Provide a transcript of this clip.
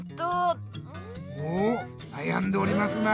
おなやんでおりますな。